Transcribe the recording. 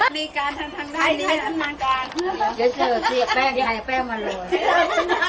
นี่การทางด้านนี้ให้ชำนาญการอย่าเสิร์ฟสิไอ้แป้งไอ้แป้งมารวม